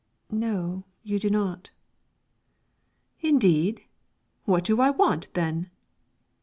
"No, you do not." "Indeed? What do I want, then?"